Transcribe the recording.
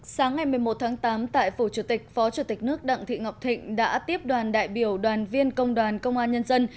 sáng ngày một mươi một tháng tám tại phủ chủ tịch phó chủ tịch nước đặng thị ngọc thịnh đã tiếp đoàn đại biểu đoàn viên công đoàn công an nhân dân